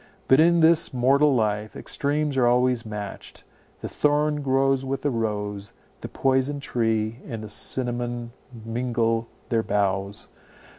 But in this mortal life extremes are always matched; the thorn grows with the rose, the poison tree and the cinnamon mingle their boughs.